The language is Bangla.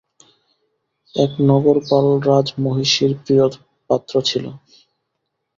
এক নগরপাল রাজমহিষীর প্রিয় পাত্র ছিল।